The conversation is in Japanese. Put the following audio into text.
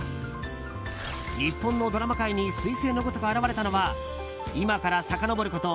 日本のドラマ界に彗星のごとく現れたのは今からさかのぼること